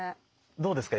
どうですか？